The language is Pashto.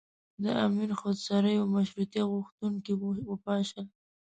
د امیر خودسریو مشروطیه غوښتونکي وپاشل.